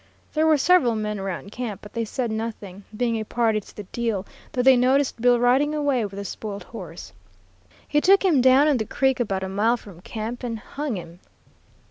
There were several men around camp, but they said nothing, being a party to the deal, though they noticed Bill riding away with the spoilt horse. He took him down on the creek about a mile from camp and hung him.